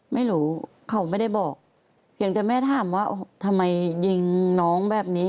ไม่รู้เขาไม่ได้บอกเพียงแต่แม่ถามว่าทำไมยิงน้องแบบนี้